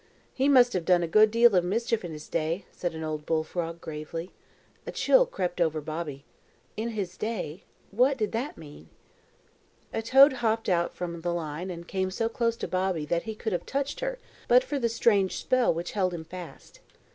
"He must have done a good deal of mischief in his day," said an old bull frog, gravely. A chill crept over Bobby. "In his day." What did that mean? A toad hopped out from the line and came so close to Bobby that he could have touched her but for the strange spell which held him fast.